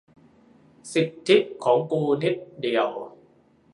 สิทธิของกูนิดเดียว